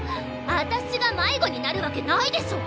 あたしが迷子になるわけないでしょ？